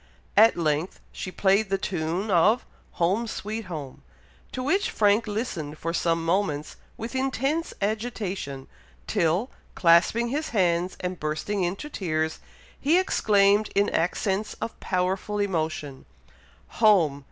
At length she played the tune of "Home! sweet home," to which Frank listened for some moments with intense agitation, till, clasping his hands and bursting into tears, he exclaimed, in accents of powerful emotion, "Home!